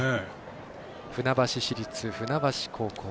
船橋市立船橋高校。